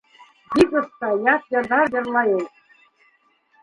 Бик оҫта, ят йырҙар йырлай ул.